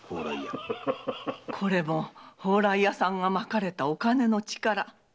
これも宝来屋さんが撒かれたお金の力。